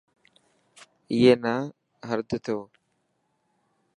اي نا هرد تو.